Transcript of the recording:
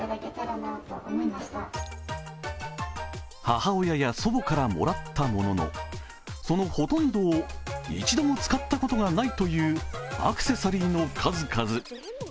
母親から祖母からもらったものの、そのほとんどを一度も使ったことがないというアクセサリーの数々。